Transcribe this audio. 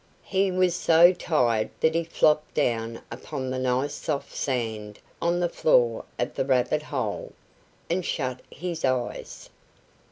He was so tired that he flopped down upon the nice soft sand on the floor of the rabbit hole, and shut his eyes.